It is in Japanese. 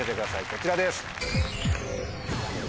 こちらです。